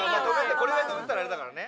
これぐらいで止めてたらあれだからね。